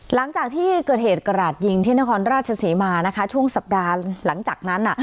หลังจากที่เกิดเหตุกระหลาดยิงที่นครราชศรีมานะคะช่วงสัปดาห์หลังจากนั้น